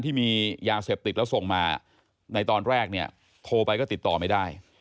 ที่มียาเสพติดแล้วส่งมาในตอนแรกเนี่ยโทรไปก็ติดต่อไม่ได้